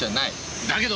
だけど。